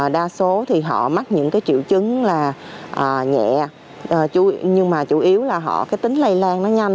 đa số thì họ mắc những cái triệu chứng là nhẹ nhưng mà chủ yếu là họ cái tính lây lan nó nhanh